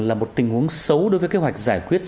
là một tình huống xấu đối với kế hoạch giải quyết